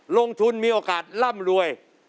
ลงทุนมีโอกาสร่ำรวย